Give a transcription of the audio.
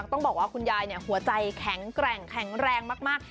ต้องบอกว่าคุณยายหัวใจแข็งแรงมาก